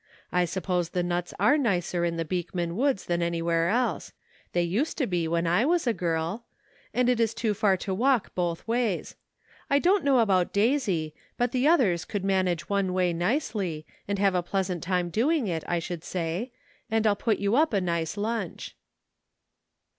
I suppose the nuts are nicer in tlie Beekman woods than anywhere else ; they used to be when I was a girl ; and it is too far to walk both ways ; I don't know about Daisy, but the others could manage one way nicely, and have a pleasant time doing it, I should say, and I'll put you up a nice lunch."